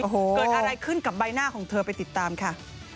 เกิดอะไรขึ้นกับใบหน้าของเธอไปติดตามค่ะ